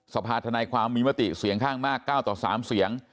สภาธนายความมีมติเสียงข้างมาก๙ต่อ๓เสียง